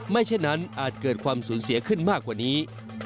เช่นนั้นอาจเกิดความสูญเสียขึ้นมากกว่านี้